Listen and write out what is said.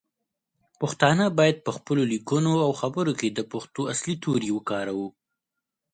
پښتانه باید پخپلو لیکنو او خبرو کې د پښتو اصلی تورې وکاروو.